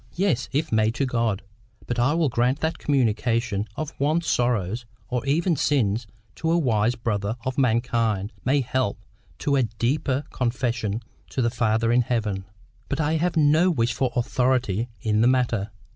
"Yes, if made to God. But I will grant that communication of one's sorrows or even sins to a wise brother of mankind may help to a deeper confession to the Father in heaven. But I have no wish for AUTHORITY in the matter.